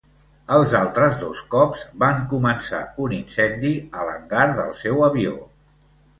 Els altres dos cops van començar un incendi a l'hangar del seu avió.